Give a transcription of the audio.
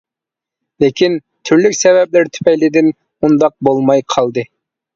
لېكىن تۈرلۈك سەۋەبلەر تۈپەيلىدىن ئۇنداق بولماي قالدى.